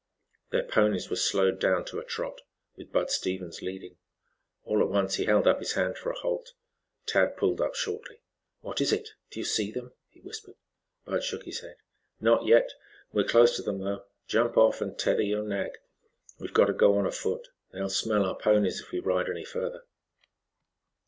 Their ponies were slowed down to a trot, with Bud Stevens leading. All at once he held up his hand for a halt. Tad pulled up shortly. "What is it? Do you see them?" he whispered. Bud shook his head. "Not yet. We're close to them, though. Jump off and tether your nag. We've got to go on afoot. They'll smell our ponies if we ride any further."